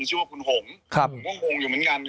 ชื่อคุณหงหงหวงหวงอยู่เหมือนกัน